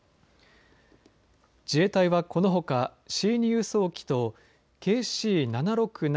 自衛隊はこのほかＣ２輸送機とＫＣ７６７